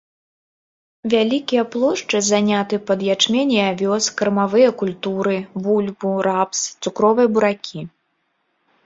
Вялікія плошчы заняты пад ячмень і авёс, кармавыя культуры, бульбу, рапс, цукровыя буракі.